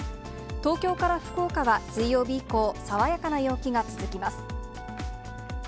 東京から福岡は水曜日以降、爽やかな陽気が続きます。